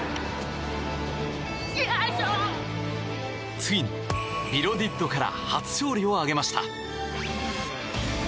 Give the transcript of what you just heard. ついにビロディッドから初勝利を挙げました。